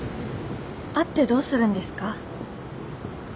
会ってどうするんですか？